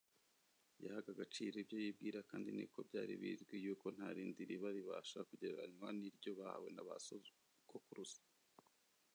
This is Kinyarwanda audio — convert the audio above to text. . Yahaga agaciro ibyo yibwira, kandi niko byari bizwi, yuko nta rindi riba ribasha kugereranywa n’iryo bahawe na basogokuruza.